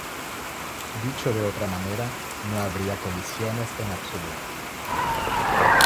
Dicho de otra manera, no habría colisiones en absoluto.